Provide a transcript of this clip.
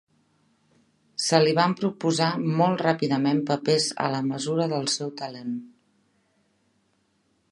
Se li van proposar molt ràpidament papers a la mesura del seu talent.